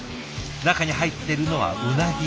中に入っているのはうなぎ。